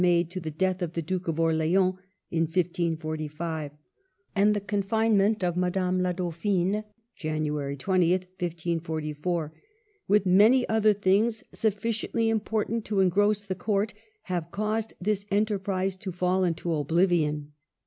made to the death of the Duke of Orleans in 1545], and the confinement of Madame la Dauphine [Jan. 20, 1544], with many other things sufficiently important to engross the Court, have caused this enterprise to fall into oblivion."